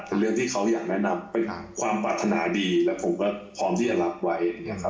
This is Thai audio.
เป็นเรื่องที่เขาอยากแนะนำไปหาความปรารถนาดีแล้วผมก็พร้อมที่จะรับไว้